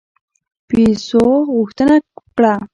پیسو غوښتنه وکړه.